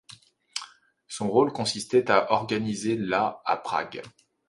Son rôle consistait à organiser la à Prague.